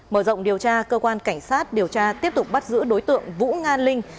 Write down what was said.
mở rộng điều tra cơ quan cảnh sát điều tra tiếp tục bắt giữ đối tượng vũ nga linh